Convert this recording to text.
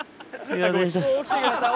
起きてください